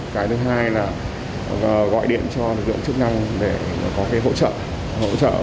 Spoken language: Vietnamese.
cái thứ hai là gọi điện cho dụng chức năng để có hỗ trợ